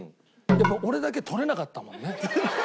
でも俺だけ取れなかったもんね。